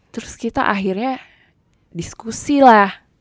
terus kita akhirnya diskusi lah